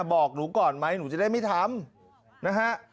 บอกหนูก่อนไหมหนูจะได้ไม่ทำนะฮะ